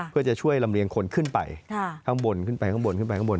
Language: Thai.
เพื่อจะช่วยลำเลียงคนขึ้นไปข้างบนขึ้นไปข้างบนขึ้นไปข้างบน